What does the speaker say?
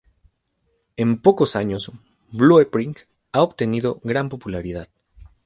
En pocos años, Blueprint ha obtenido gran popularidad.